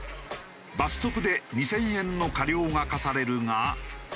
罰則で２０００円の過料が科されるが。